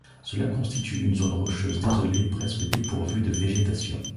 Cela constitue une zone rocheuse désolée presque dépourvue de végétation.